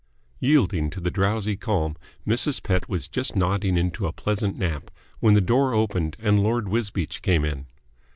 Yielding to the drowsy calm, Mrs. Pett was just nodding into a pleasant nap, when the door opened and Lord Wisbeach came in.